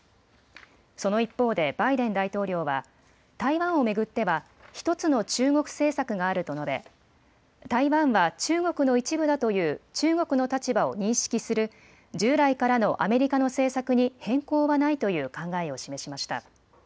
その一方でバイデン大統領は台湾を巡っては１つの中国政策があると述べ、台湾は中国の一部だという中国の立場を認識する従来からのアメリカの政策に変更はないという考えを示しました。